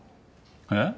えっ？